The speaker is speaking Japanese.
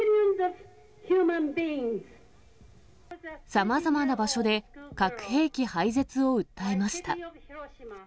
さまざまな場所で核兵器廃絶を訴えました。